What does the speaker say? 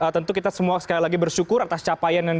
tentu kita semua sekali lagi bersyukur atas capaian yang